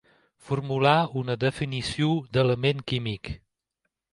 Formulà una definició d'element químic.